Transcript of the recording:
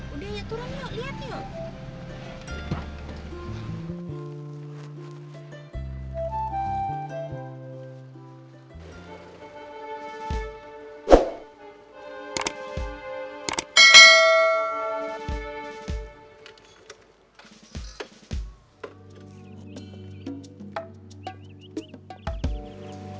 udah nyeturan yuk liat yuk